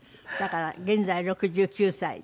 だから現在６９歳。